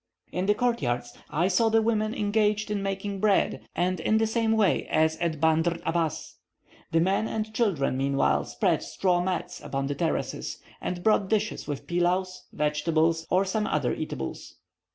In the court yards I saw the women engaged in making bread, and in the same way as at Bandr Abas. The men and children meanwhile spread straw mats upon the terraces, and brought dishes with pilaus, vegetables, or some other eatables.